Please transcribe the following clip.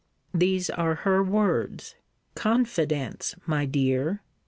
These are her words. Confidence, my dear!